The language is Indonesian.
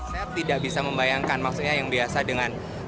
saya tidak bisa membayangkan maksudnya yang biasa dengan